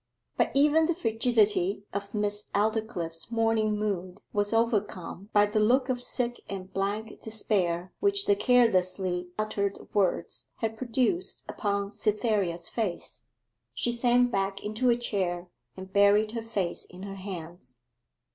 But even the frigidity of Miss Aldclyffe's morning mood was overcome by the look of sick and blank despair which the carelessly uttered words had produced upon Cytherea's face. She sank back into a chair, and buried her face in her hands.